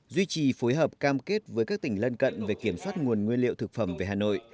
duy trì phối hợp cam kết với các tỉnh lân cận về kiểm soát nguồn nguyên liệu thực phẩm về hà nội